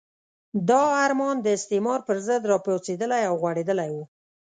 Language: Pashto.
دا ارمان د استعمار پرضد راپاڅېدلی او غوړېدلی وو.